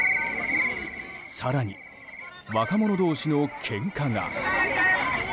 更に、若者同士のけんかが。